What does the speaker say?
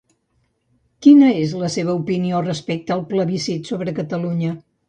Quina és la seva opinió respecte al plebiscit sobre Catalunya?